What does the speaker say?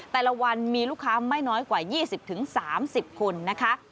แต่ละวันมีลูกค้าไม่น้อยกว่า๒๐๓๐คนนะคะ